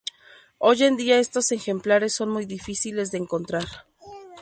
Hoy en día estos ejemplares son muy difíciles de encontrar.